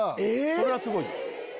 それはすごいな。